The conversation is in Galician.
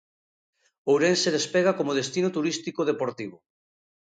Ourense despega como destino turístico deportivo.